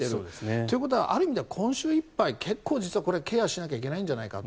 ということはある意味では今週いっぱい、実は結構ケアしなければいけないんじゃないかと。